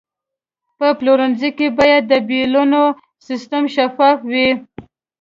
په پلورنځي کې باید د بیلونو سیستم شفاف وي.